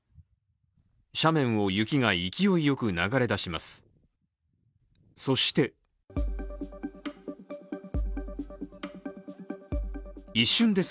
斜面を雪が勢いよく流れ出します。